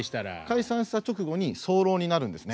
解散した直後に早漏になるんですね。